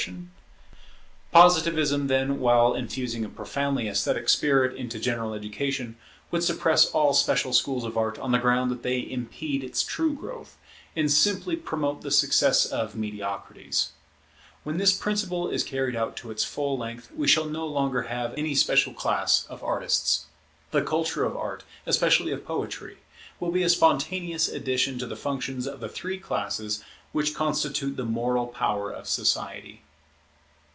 [Artists as a class will disappear. Their function will be appropriated by the philosophic priesthood] Positivism, then, while infusing a profoundly esthetic spirit into general education, would suppress all special schools of Art on the ground that they impede its true growth, and simply promote the success of mediocrities. When this principle is carried out to its full length, we shall no longer have any special class of artists. The culture of Art, especially of poetry, will be a spontaneous addition to the functions of the three classes which constitute the moral power of society.